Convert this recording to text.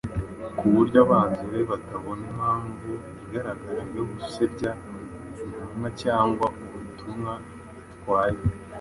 ku buryo abanzi be batabona impamvu igaragara yo gusebya intumwa cyangwa ubutumwa itwaye?